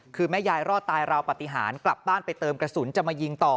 คือแม่ยายรอดตายราวปฏิหารกลับบ้านไปเติมกระสุนจะมายิงต่อ